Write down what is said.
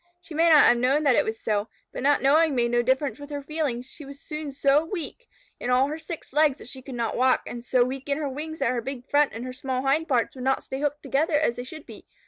She may not have known that it was so, but not knowing made no difference with her feelings. She was soon so weak in all her six legs that she could not walk, and so weak in her wings that her big front and her small hind pairs would not stay hooked together as they should be.